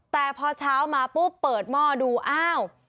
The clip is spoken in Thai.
แต่พอเช้ามาปุ๊บเปิดหม้อดูอ้าว